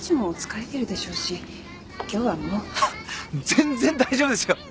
全然大丈夫ですよ。